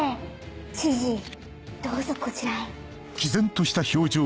知事どうぞこちらへ。